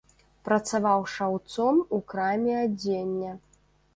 Працаваў шаўцом у краме адзення.